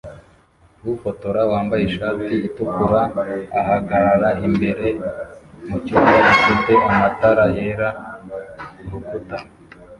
Ufotora wambaye ishati itukura ahagarara imbere mucyumba gifitena matara yera kurukuta